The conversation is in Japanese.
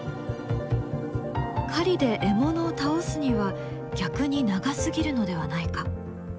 狩りで獲物を倒すには逆に長すぎるのではないか？